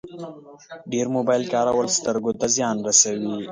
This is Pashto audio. ډېر موبایل کارول سترګو ته زیان رسوي.